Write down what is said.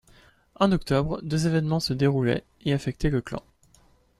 En octobre, deux évènements se déroulaient et affectaient le clan.